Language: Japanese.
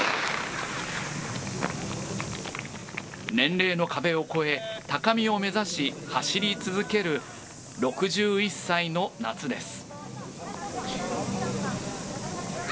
年齢の壁を超え、高みを目指し走り続ける、６１歳の夏です。